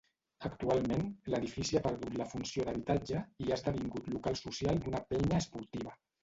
Actualment l'edifici ha perdut la funció d'habitatge i ha esdevingut local social d'una penya esportiva.